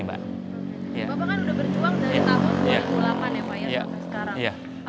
bapak kan sudah berjuang dari tahun dua ribu delapan ya pak